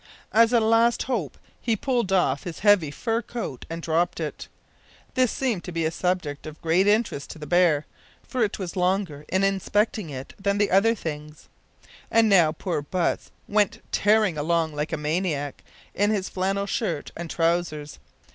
As a last hope he pulled off his heavy fur coat and dropped it. This seemed to be a subject of great interest to the bear, for it was longer in inspecting it than the other things. And now poor Butts went tearing along like a maniac, in his flannel shirt and trousers.